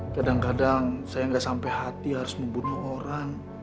kadang kadang saya nggak sampai hati harus membunuh orang